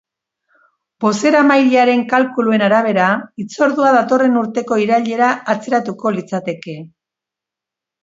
Bozeramailearen kalkuluen arabera, hitzordua datorren urteko irailera atzeratuko litzateke.